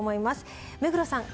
目黒さん